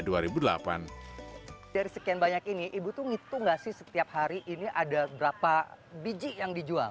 dari sekian banyak ini ibu tuh ngitung nggak sih setiap hari ini ada berapa biji yang dijual